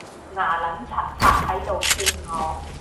牙撚擦擦喺度串我